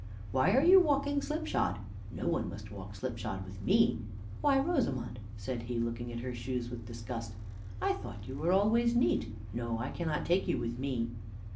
"Why are you walking slipshod? no one must walk slipshod with me. Why, Rosamond," said he, looking at her shoes with disgust, "I thought that you were always neat; no, I cannot take you with me."